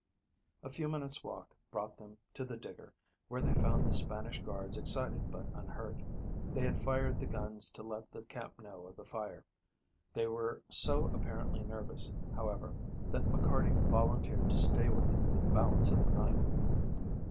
A few minutes' walk brought them to the digger, where they found the Spanish guards excited but unhurt. They had fired the guns to let the camp know of the fire. They were so apparently nervous, however, that McCarty volunteered to stay with them the balance of the night.